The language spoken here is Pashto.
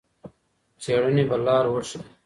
څېړنې به لار وښيي.